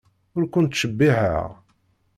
Ur kent-ttcebbiḥeɣ.